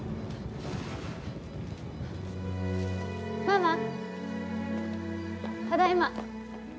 ママ、ただいま。